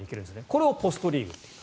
これをポストリーグといいます。